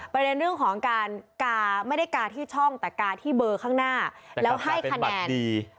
ประเด็นเรื่องของการกาไม่ได้กาที่ช่องแต่กาที่เบอร์ข้างหน้าแล้วให้คะแนนดี